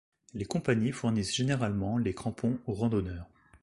Les compagnies fournissent généralement les crampons aux randonneurs.